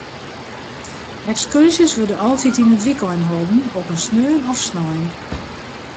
Ekskurzjes wurde altyd yn it wykein holden, op in sneon of snein.